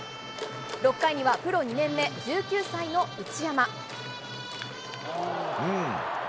６回にはプロ２年目、１９歳の内山。